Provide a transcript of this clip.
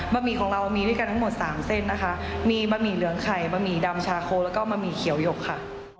หมี่ของเรามีด้วยกันทั้งหมดสามเส้นนะคะมีบะหมี่เหลืองไข่บะหมี่ดำชาโคแล้วก็บะหมี่เขียวหยกค่ะ